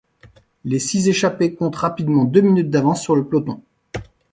Les six échappés comptent rapidement deux minutes d'avance sur le peloton.